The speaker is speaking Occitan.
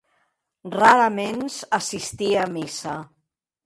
Raraments assistie a missa.